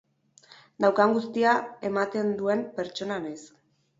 Daukan guztia ematen duen pertsona naiz.